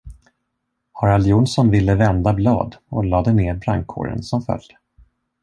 Harald Jonsson ville vända blad och lade ned brandkåren som följd.